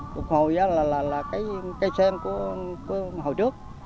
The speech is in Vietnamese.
phục hồi là cái cây sen của hồi trước